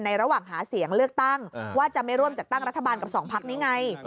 ระหว่างหาเสียงเลือกตั้งว่าจะไม่ร่วมจัดตั้งรัฐบาลกับสองพักนี้ไง